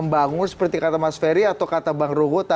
mungkin bisa membangun